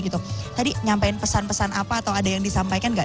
tadi nyampein pesan pesan apa atau ada yang disampaikan nggak